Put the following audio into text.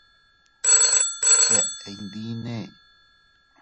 ¿Deʼe iydinne?